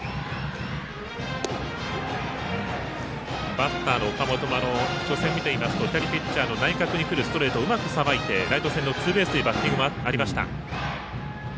バッターの岡本も初戦を見ていますと左ピッチャーの内角にくるストレートをうまくさばいてライト線のツーベースというバッティングもありました。